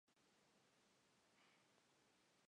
El propio simbolismo de las figuras está discutido.